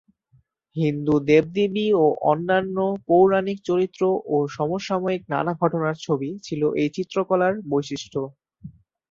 হিন্দু দেবদেবী ও অন্যান্য পৌরাণিক চরিত্র ও সমসাময়িক নানা ঘটনার ছবি ছিল এই চিত্রকলার বৈশিষ্ট্য।